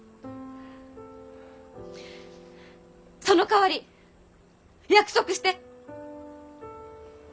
そのかわり約束して！